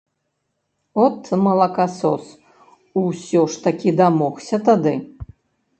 От, малакасос, усё ж такі дамогся тады!